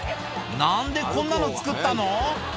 なんでこんなの作ったの？